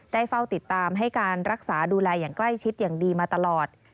เฝ้าติดตามให้การรักษาดูแลอย่างใกล้ชิดอย่างดีมาตลอด